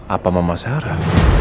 apa mama sarah